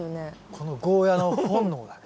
このゴーヤーの本能だね。